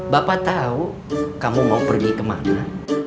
bapak tahu kamu mau pergi kemana